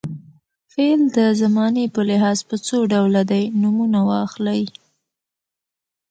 فعل د زمانې په لحاظ په څو ډوله دی نومونه واخلئ.